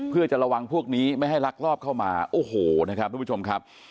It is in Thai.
เพื่อจะระวังพวกนี้ไม่ให้ลักลอบเข้ามาโอ้โหนะครับทุกผู้ชมครับ